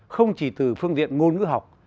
không chỉ từ phương diện ngôn ngữ học